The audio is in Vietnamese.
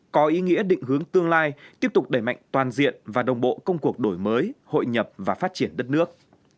có ý nghĩa định hướng tương lai tiếp tục đẩy mạnh toàn diện và đồng bộ công cuộc đổi mới hội nhập và phát triển đất nước